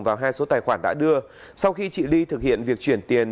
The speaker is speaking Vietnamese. vào hai số tài khoản đã đưa sau khi chị ly thực hiện việc chuyển tiền